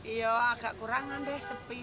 iya agak kurangan deh sepi